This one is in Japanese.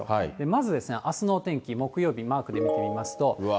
まずですね、あすのお天気、木曜日、マークで見てみますと。